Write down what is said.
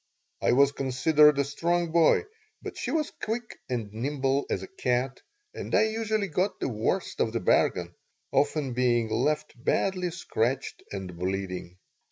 I was considered a strong boy, but she was quick and nimble as a cat, and I usually got the worst of the bargain, often being left badly scratched and bleeding.